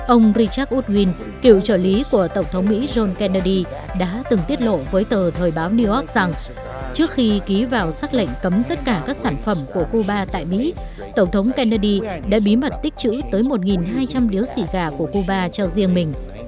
ông richard woodwin cựu trợ lý của tổng thống mỹ john kennedy đã từng tiết lộ với tờ thời báo new york rằng trước khi ký vào xác lệnh cấm tất cả các sản phẩm của cuba tại mỹ tổng thống kennedy đã bí mật tích chữ tới một hai trăm linh điếu xì gà của cuba cho riêng mình